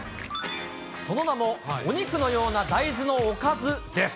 その名も、お肉のような大豆のおかずです。